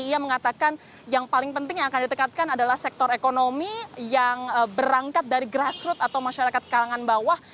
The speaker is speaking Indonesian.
ia mengatakan yang paling penting yang akan ditekatkan adalah sektor ekonomi yang berangkat dari grassroot atau masyarakat kalangan bawah